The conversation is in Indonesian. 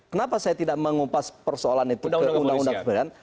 kenapa saya tidak mengupas persoalan itu ke undang undang kebenaran